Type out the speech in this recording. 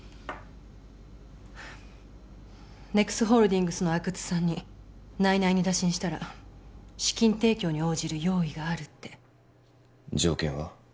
ＮＥＸホールディングスの阿久津さんに内々に打診したら資金提供に応じる用意があるって条件は？